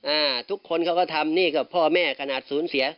อ่าทุกคนเขาก็ทำนี่กับพ่อแม่ขนาดศูนย์เสีย